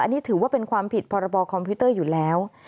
อันนี้ถือว่าเป็นความผิดพรบคอมพิวเตอร์อยู่แล้ว